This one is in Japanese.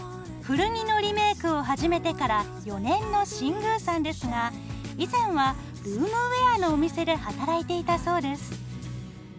古着のリメイクを始めてから４年の新宮さんですが以前はルームウエアのお店で働いていたそうです。